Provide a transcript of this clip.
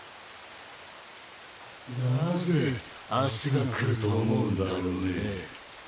何故「明日が来る」と思うんだろうね。